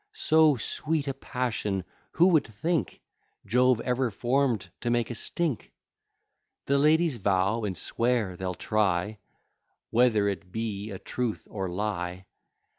So sweet a passion who would think, Jove ever form'd to make a stink? The ladies vow and swear, they'll try, Whether it be a truth or lie.